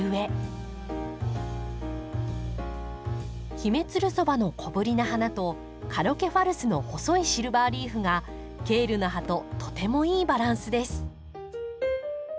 ヒメツルソバの小ぶりな花とカロケファルスの細いシルバーリーフがケールの葉ととてもいいバランスです。